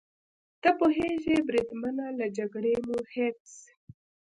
ته پوهېږې بریدمنه، له جګړې مو هېڅ.